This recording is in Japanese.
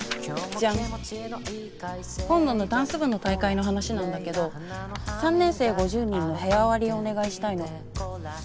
今度のダンス部の大会の話なんだけど３年生５０人の部屋割りをお願いしたいの。